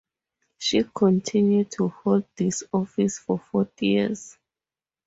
She continued to hold this office for forty years.